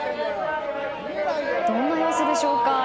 どんな様子でしょうか。